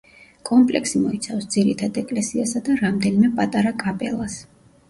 კომპლექსი მოიცავს ძირითად ეკლესიასა და რამდენიმე პატარა კაპელას.